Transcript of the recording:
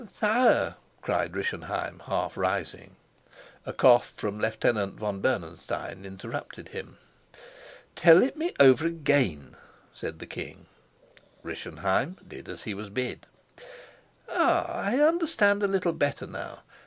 "Sire " cried Rischenheim, half rising. A cough from Lieutenant von Bernenstein interrupted him. "Tell it me all over again," said the king. Rischenheim did as he was bid. "Ah, I understand a little better now.